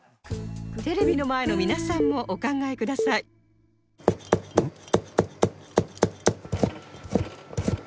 テレビの前の皆さんもお考えくださいん？